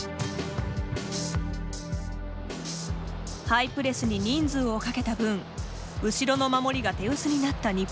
ハイプレスに人数をかけた分後ろの守りが手薄になった日本。